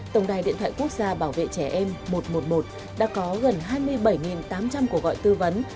tổng đài điện thoại quốc gia bảo vệ trẻ em một trăm một mươi một đã có gần hai mươi bảy tám trăm linh cuộc gọi tư vấn